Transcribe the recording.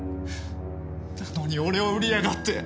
なのに俺を売りやがって！